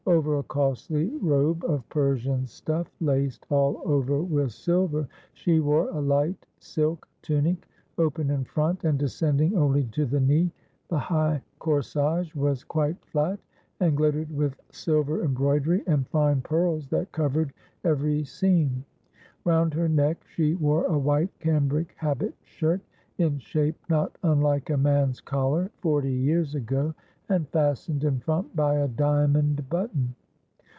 Over a costly robe of Persian stuff, laced all over with silver, she wore a light silk tunic, open in front, and descending only to the knee. The high corsage was quite flat, and glittered with silver embroidery and fine pearls that covered every seam. Round her neck she wore a white cambric habit shirt, in shape not unlike a man's collar (forty years ago), and fastened in front by a diamond button.